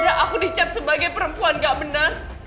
ya aku dicat sebagai perempuan gak benar